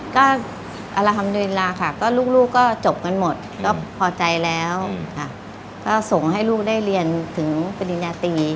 ก็อารฮัมดรินลาค่ะก็ลูกก็จบกันหมดก็พอใจแล้วก็ส่งให้ลูกได้เรียนถึงปริญญาตรี